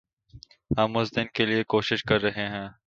ہم اس دن کے لئے کوشش کررہے ہیں